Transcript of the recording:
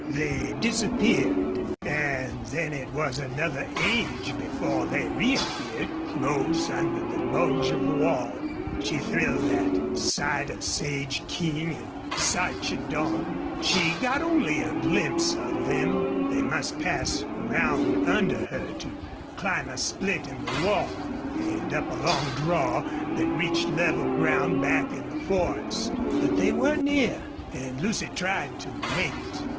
They disappeared, and then it was another age before they reappeared close under the bulge of wall. She thrilled at sight of Sage King and Sarchedon. She got only a glimpse of them. They must pass round under her to climb a split in the wall, and up a long draw that reached level ground back in the forest. But they were near, and Lucy tried to wait.